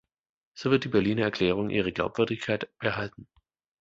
So wird die Berliner Erklärung ihre Glaubwürdigkeit behalten.